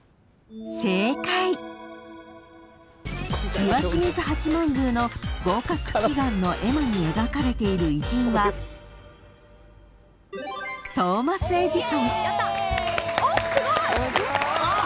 ［石清水八幡宮の合格祈願の絵馬に描かれている偉人は］おお！